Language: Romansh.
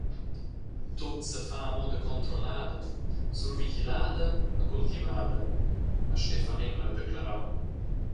«Tut sefa a moda controllada, survigilada e cultivada», ha Stefan Engler declarau.